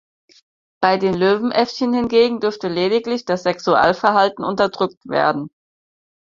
Bei den Löwenäffchen hingegen dürfte lediglich das Sexualverhalten unterdrückt werden.